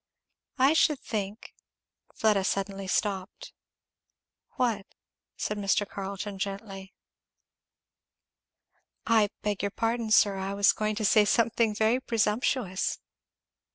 "I should think " Fleda suddenly stopped. "What? " said Mr. Carleton gently. "I beg your pardon, sir, I was going to say something very presumptuous."